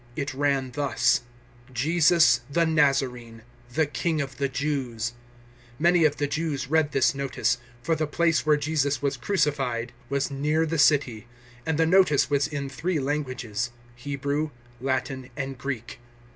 It ran thus: JESUS THE NAZARENE, THE KING OF THE JEWS. 019:020 Many of the Jews read this notice, for the place where Jesus was crucified was near the city, and the notice was in three languages Hebrew, Latin, and Greek.